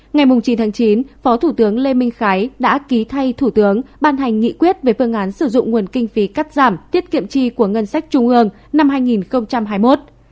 ngày chín tháng chín phó thủ tướng lê minh khái đã ký thay thủ tướng ban hành nghị quyết về phương án sử dụng nguồn kinh phí cắt giảm tiết kiệm chi của ngân sách trung ương năm hai nghìn hai mươi một